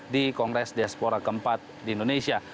di kongres diaspora ke empat di indonesia